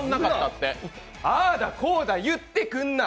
あーだこーだ言ってくんな。